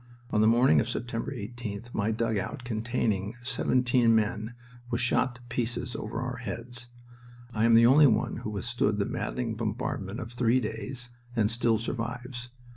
On the morning of September 18th my dugout containing seventeen men was shot to pieces over our heads. I am the only one who withstood the maddening bombardment of three days and still survives.